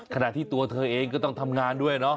ขณะที่ตัวเธอเองก็ต้องทำงานด้วยเนาะ